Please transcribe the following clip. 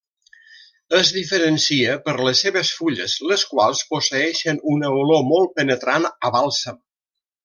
Es diferencia per les seves fulles, les quals posseeixen una olor molt penetrant a bàlsam.